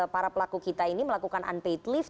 para pelaku kita ini melakukan unpaid leave